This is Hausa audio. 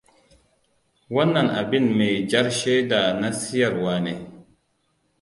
Wannan abin me jar sheda na siyarwa ne.